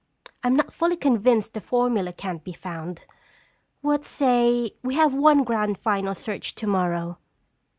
"I'm not fully convinced the formula can't be found. What say we have one grand final search tomorrow?"